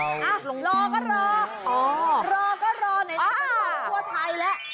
รอก็รอบอกว่าในทั้ง๒คนที่ทั้งที่แล้ว